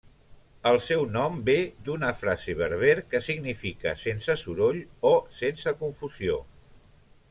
El seu nom ve d'una frase berber que significa 'sense soroll' o 'sense confusió'.